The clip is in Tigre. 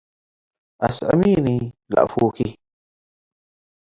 አስዕሚኒ ለአፉኪ”"